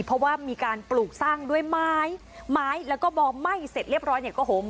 เพราะว่ามีการปลูกสร้างด้วยไม้ไม้แล้วก็พอไหม้เสร็จเรียบร้อยเนี่ยก็โหม